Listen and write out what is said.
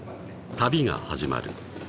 ［旅が始まる］